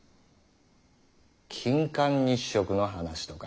「金環日食」の話とか。